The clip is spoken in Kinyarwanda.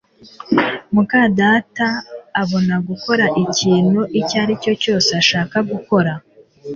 muka data abona gukora ikintu icyo ari cyo cyose ashaka gukora